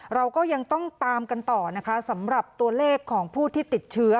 เราก็ยังต้องตามกันต่อนะคะสำหรับตัวเลขของผู้ที่ติดเชื้อ